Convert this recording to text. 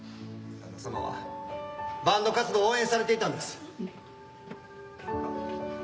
旦那様はバンド活動を応援されていたんです。